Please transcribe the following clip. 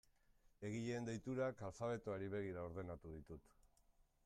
Egileen deiturak alfabetoari begira ordenatu ditut.